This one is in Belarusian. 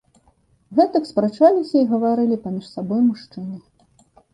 Гэтак спрачаліся і гаварылі паміж сабою мужчыны.